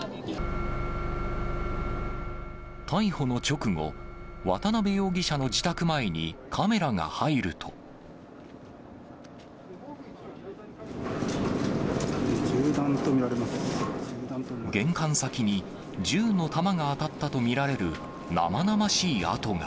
逮捕の直後、渡辺容疑者の自宅前にカメラが入ると。